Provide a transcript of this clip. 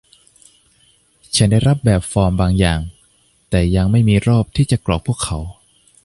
ฉันได้รับแบบฟอร์มบางอย่าง แต่ยังไม่มีรอบที่จะกรอกพวกเขา